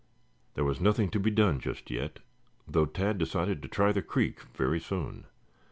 There was nothing to be done just yet, though Tad decided to try the creek very soon.